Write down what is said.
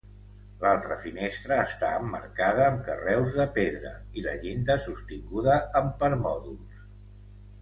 L'altra finestra està emmarcada amb carreus de pedra i la llinda sostinguda amb permòdols.